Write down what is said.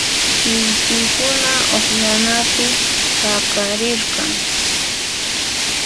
Chiwchiykuna uqllanapi paqarirqan.